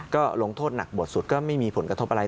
ก็ลงโทษหนักบทสุดก็ไม่มีผลกระทบอะไร